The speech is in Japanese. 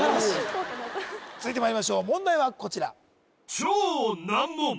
こうかなと続いてまいりましょう問題はこちら